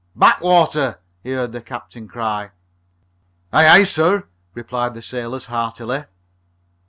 "Back water!" he heard the captain cry. "Aye, aye, sir!" replied the sailors heartily.